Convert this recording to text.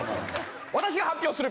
私が発表する。